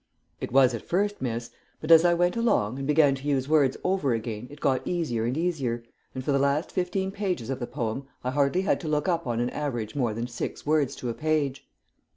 "It was at first, miss, but as I went along, and began to use words over again it got easier and easier, and for the last fifteen pages of the poem I hardly had to look up on an average more than six words to a page."